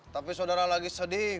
tapi saudara lagi sedih